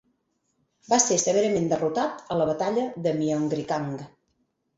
Va ser severament derrotat a la batalla de Myeongryang.